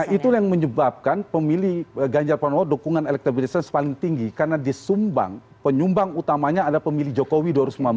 itulah yang menyebabkan pemilih ganjar pranowo dukungan elektabilitasnya paling tinggi karena disumbang penyumbang utamanya adalah pemilih jokowi dua ribu sembilan belas